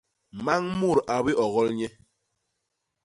Mañ mut a biogol nye.